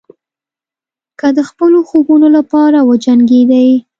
که د خپلو خوبونو لپاره وجنګېدئ.